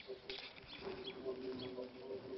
পরিত্যক্ত এই মন্দিরের মূল অবকাঠামো এখনো অবিকৃত আছে।